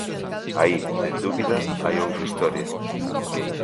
Aí sen dúbida hai outra historia.